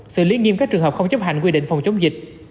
sự liên nghiêm các trường hợp không chấp hành quy định phòng chống dịch